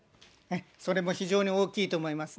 それも非常に大きいと思いますね。